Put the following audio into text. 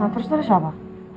terus dari siapa